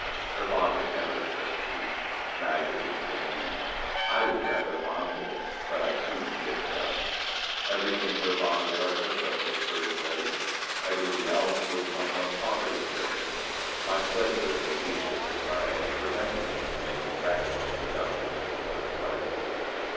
Her father never took tea; neither did James. I was rather fond of it, but I soon gave it up. Everything her father partook of was first rate. Everything else was somewhat poverty stricken. My pleasure in Laetitia's society prevented me from making practical deductions from such trifles."